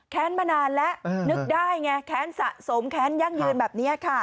มานานแล้วนึกได้ไงแค้นสะสมแค้นยั่งยืนแบบนี้ค่ะ